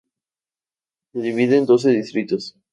Se divide en doce distritos.